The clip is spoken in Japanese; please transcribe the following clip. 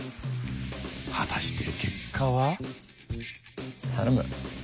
果たして結果は？